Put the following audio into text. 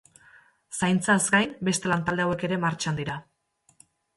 Zaintzaz gain, beste lantalde hauek ere martxan dira.